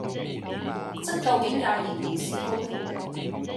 則究竟也仍然是高興的。